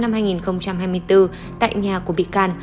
tại nhà của bị can